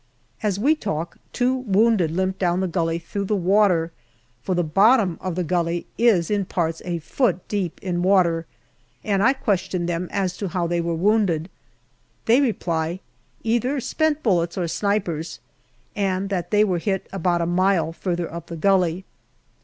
As we talk, two wounded limp down the gully through the water, for the bottom of the gully is in parts a foot deep in water, and I question them as to how they were wounded. They reply, " Either spent bullets or snipers," and that they were hit about a mile further up the gully.